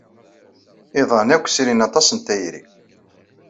Iḍan akk srin aṭas n tayri.